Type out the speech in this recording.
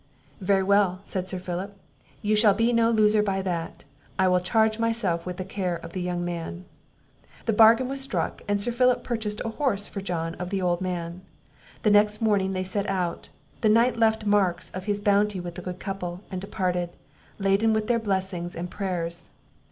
"Very well," said Sir Philip, "you shall be no loser by that; I will charge myself with the care of the young man." The bargain was struck, and Sir Philip purchased a horse for John of the old man. The next morning they set out; the knight left marks of his bounty with the good couple, and departed, laden with their blessing and prayers.